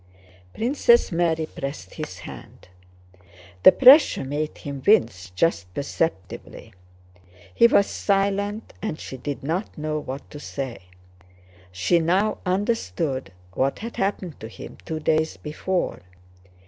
Princess Mary pressed his hand. The pressure made him wince just perceptibly. He was silent, and she did not know what to say. She now understood what had happened to him two days before.